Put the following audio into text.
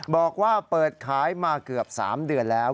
บอกว่าเปิดขายมาเกือบ๓เดือนแล้ว